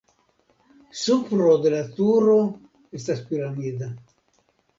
Supro de la turo estas piramida.